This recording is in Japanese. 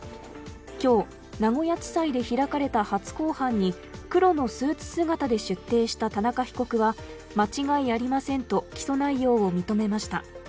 今日、名古屋地裁で開かれた初公判に黒のスーツ姿で出廷した田中被告は間違いありませんと起訴内容を認めました。